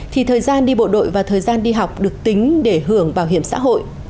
thì thời gian đi bộ đội và thời gian đi học được tính để hưởng bảo hiểm xã hội